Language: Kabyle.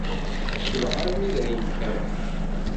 Tecbeḥ armi d ayen kan.